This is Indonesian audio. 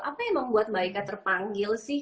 apa yang membuat mbak ika terpanggil sih